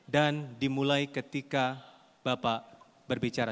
dan dimulai ketika bapak berbicara